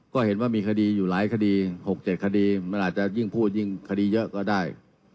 ก็เห็นว่ามีคดีอยู่หลายคดี๖๗คดีมันอาจจะยิ่งพูดยิ่งคดีเยอะก็ได้